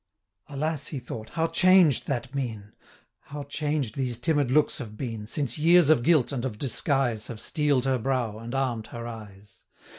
275 'Alas!' he thought, 'how changed that mien! How changed these timid looks have been, Since years of guilt, and of disguise, Have steel'd her brow, and arm'd her eyes!